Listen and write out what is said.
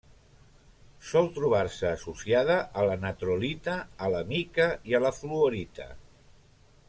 Sol trobar-se associada a la natrolita, a la mica i a la fluorita.